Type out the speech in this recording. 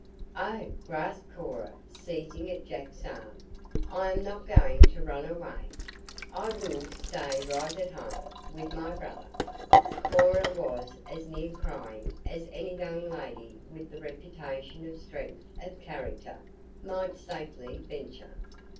"Oh!" gasped Cora, seizing at Jack's arm. "I am not going to run away. I will stay right at home with my brother." Cora was as near crying as any young lady with the reputation of strength of character might safely venture.